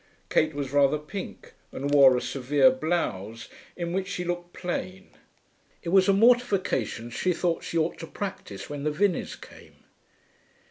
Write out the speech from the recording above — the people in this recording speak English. Kate was rather pink, and wore a severe blouse, in which she looked plain; it was a mortification she thought she ought to practise when the Vinneys came.